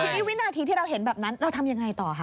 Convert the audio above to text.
ทีนี้วินาทีที่เราเห็นแบบนั้นเราทำยังไงต่อคะ